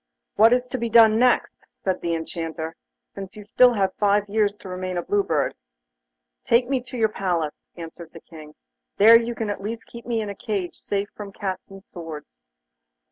'What is to be done next?' said the Enchanter, 'since you still have five years to remain a Blue Bird.' 'Take me to your palace,' answered the King; 'there you can at least keep me in a cage safe from cats and swords.